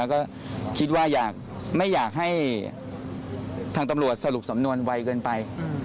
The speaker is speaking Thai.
ก็คิดว่าไม่อยากให้ทางตำรวจสรุปสำนวนไวเกินไป